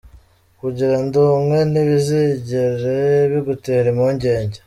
Kungira ndi Umwe ntibizigere bigutera Impungenge.